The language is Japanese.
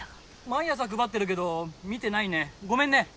毎朝配ってるけど見てないねごめんね。